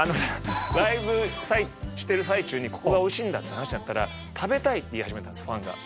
ライブしてる最中にここがおいしいんだって話しちゃったら食べたいって言い始めたんですよファンが。